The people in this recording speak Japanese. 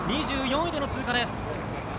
２４位での通過です。